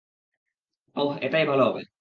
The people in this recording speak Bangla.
ওহ, এটাই ভালো হবে।